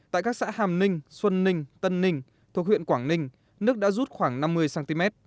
tại các xã hàm ninh xuân ninh tân ninh thuộc huyện quảng ninh nước đã rút khoảng năm mươi cm